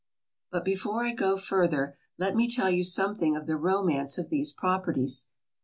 But before I go further let me tell you something of the romance of these properties.